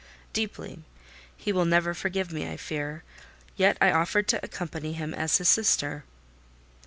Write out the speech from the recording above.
"Deeply: he will never forgive me, I fear: yet I offered to accompany him as his sister."